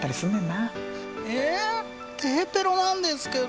えっテヘペロなんですけど。